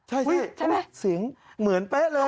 โอ้ยใช่สีงเหมือนแป๊ะเลย